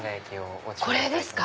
これですか？